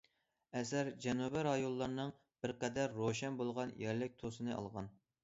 ئەسەر جەنۇبىي رايونلارنىڭ بىر قەدەر روشەن بولغان يەرلىك تۈسىنى ئالغان.